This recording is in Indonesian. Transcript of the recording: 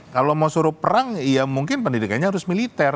kalau mau suruh perang ya mungkin pendidikannya harus militer